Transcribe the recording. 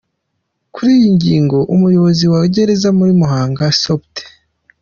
Kuri iyi ngingo umuyobozi wa gereza ya Muhanga, Spt.